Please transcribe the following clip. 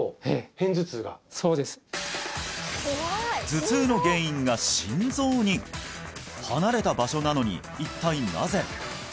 頭痛の原因が心臓に離れた場所なのに一体なぜ？